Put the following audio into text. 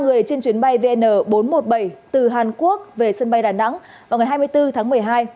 một người trên chuyến bay vn bốn trăm một mươi bảy từ hàn quốc về sân bay đà nẵng vào ngày hai mươi bốn tháng một mươi hai